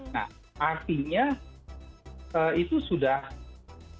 nah artinya itu sudah orang yang kontak dengan kita